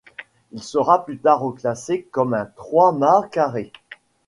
Il sera plus tard reclassé comme un trois-mâts carré.